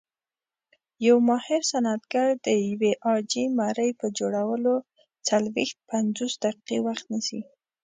یو ماهر صنعتګر د یوې عاجي مرۍ په جوړولو څلويښت - پنځوس دقیقې وخت نیسي.